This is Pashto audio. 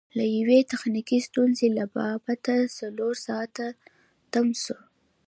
د یوې تخنیکي ستونزې له با بته څلور ساعته تم سو.